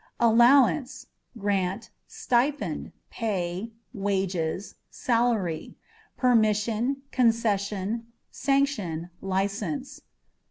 Allowance â€" grant, stipend, pay, wages, salary; permission, concession, sanction, licence.